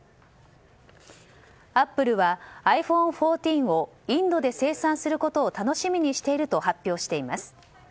アップルはｉＰｈｏｎｅ１４をインドで生産することを楽しみにしていると発表しています。